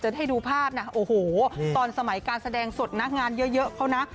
ได้ดูภาพนะโอ้โหตอนสมัยการแสดงสดนักงานเยอะเขานะ